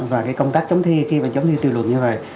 và công tác chống thi và chống thi tiêu luận như vậy